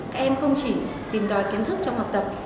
các em không chỉ tìm đòi kiến thức trong học tập